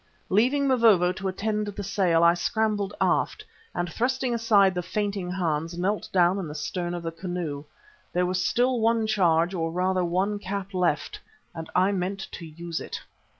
Leaving Mavovo to attend to the sail, I scrambled aft, and thrusting aside the fainting Hans, knelt down in the stern of the canoe. There was still one charge, or rather one cap, left, and I meant to use it.